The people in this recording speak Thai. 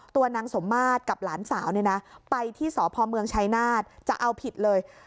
ตัวนางสมมาตรกับหลานสาวเนี่ยนะไปที่สพเมืองชายนาฏจะเอาผิดเลย